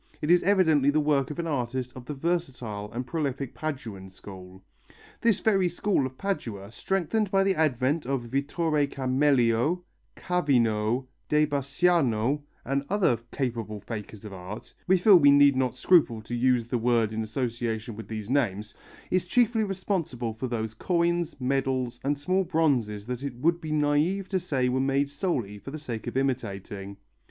It is evidently the work of an artist of the versatile and prolific Paduan school. This very school of Padua, strengthened by the advent of Vittore Camelio, Cavino, de Bassiano, and other capable fakers of art we feel we need not scruple to use the word in association with these names is chiefly responsible for those coins, medals and small bronzes that it would be naive to say were made solely for the sake of imitating.